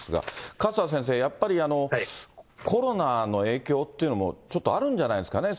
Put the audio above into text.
勝田先生、やっぱりコロナの影響というのもちょっとあるんじゃないですかね。